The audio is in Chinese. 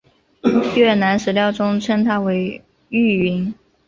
越南史料中称她为玉云。